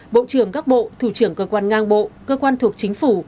bộ trưởng các bộ thủ trưởng cơ quan ngang bộ cơ quan thuộc chính phủ